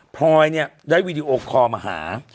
พลอยเนี่ยได้วีดีโอคอลมาหา